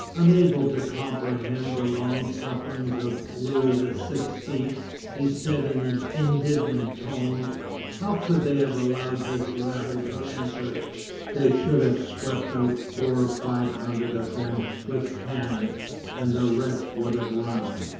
Unable to comprehend the long suffering of Louis XVI., he said in an indignant tone: "How could they have allowed this rabble to enter? They should have swept out four or five hundred of them with cannon, and the rest would have run."